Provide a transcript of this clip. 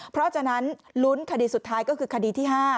เพราะฉะนั้นลุ้นคดีสุดท้ายก็คือคดีที่๕